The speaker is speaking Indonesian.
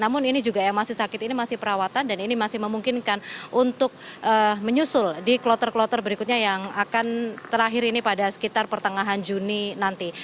namun ini juga yang masih sakit ini masih perawatan dan ini masih memungkinkan untuk menyusul di kloter kloter berikutnya yang akan terakhir ini pada sekitar pertengahan juni nanti